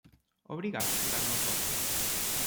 Obrigado por dar uma volta.